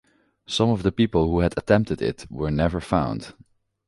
Some of the people who had attempted it were never found.